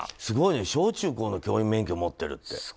すごいね、小中高の教員免許持ってるって。